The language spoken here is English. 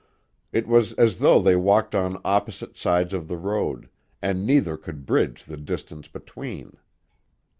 It was as though they walked on opposite sides of the road, and neither could bridge the distance between.